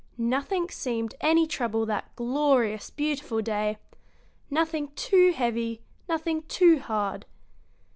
Nothing seemed any trouble that glorious, beautiful day nothing too heavy, nothing too hard.